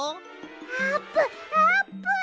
あーぷんあーぷん！